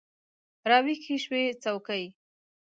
راویښې شوي څوکې